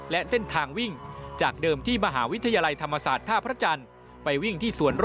และเส้นทางวิ่ง